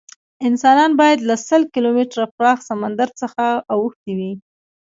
انسانان باید له سل کیلومتره پراخ سمندر څخه اوښتي وی.